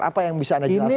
apa yang bisa anda jelaskan